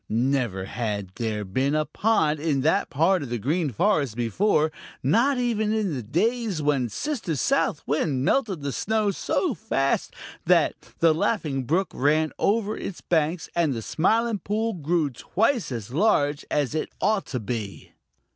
Never had there been a pond in that part of the Green Forest before, not even in the days when Sister South Wind melted the snow so fast that the Laughing Brook ran over its banks and the Smiling Pool grew twice as large as it ought to be.